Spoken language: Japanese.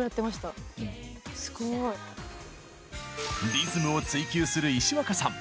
リズムを追求する石若さん。